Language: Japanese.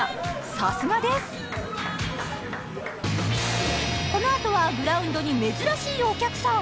さすがですこの後はグラウンドに珍しいお客さん